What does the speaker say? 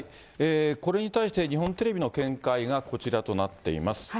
これに対して、日本テレビの見解がこちらとなっています。